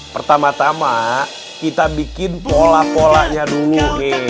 pertama tama kita bikin pola polanya dulu deh